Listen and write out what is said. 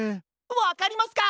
わかりますか！